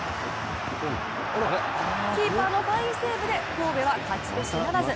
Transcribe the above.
キーパーのファインセーブで神戸は勝ち越しならず。